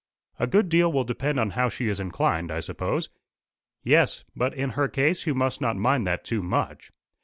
"A good deal will depend on how she is inclined, I suppose." "Yes. But in her case you must not mind that too much.